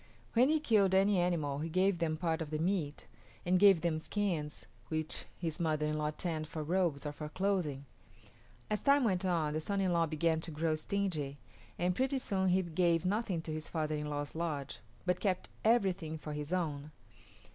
When he killed any animal he gave them part of the meat, and gave them skins which his mother in law tanned for robes or for clothing. As time went on the son in law began to grow stingy, and pretty soon he gave nothing to his father in law's lodge, but kept everything for his own.